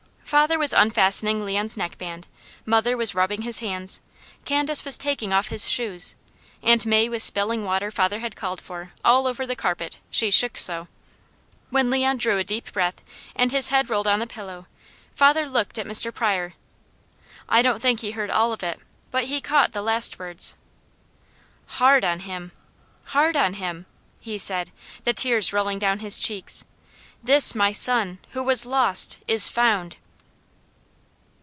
Father was unfastening Leon's neckband, mother was rubbing his hands, Candace was taking off his shoes, and May was spilling water father had called for, all over the carpet, she shook so. When Leon drew a deep breath and his head rolled on the pillow, father looked at Mr. Pryor. I don't think he heard all of it, but he caught the last words. "'Hard on him! Hard on him!'" he said, the tears rolling down his cheeks. "'This my son, who was lost, is found!'"